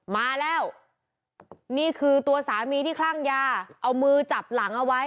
มาแล้วนี่คือตัวสามีที่คลั่งยาเอามือจับหลังเอาไว้